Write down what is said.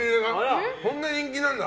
そんな人気なんだ。